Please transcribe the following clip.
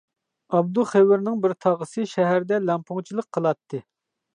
ئابدۇخېۋىرنىڭ بىر تاغىسى شەھەردە لەڭپۇڭچىلىق قىلاتتى.